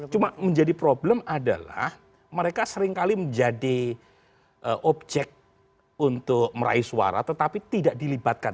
cuma menjadi problem adalah mereka seringkali menjadi objek untuk meraih suara tetapi tidak dilibatkan